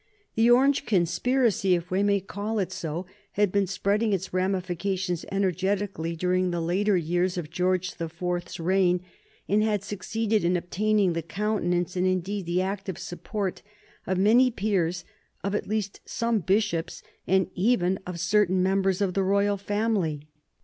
The Orange conspiracy, if we may call it so, had been spreading its ramifications energetically during the later years of George the Fourth's reign, and had succeeded in obtaining the countenance, and indeed the active support, of many peers, of at least some bishops, and even of certain members of the royal family.